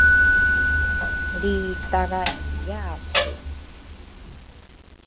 lritaraiyasu.